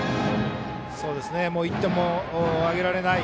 もう１点もあげられない